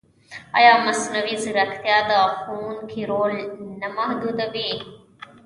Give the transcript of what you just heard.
ایا مصنوعي ځیرکتیا د ښوونکي رول نه محدودوي؟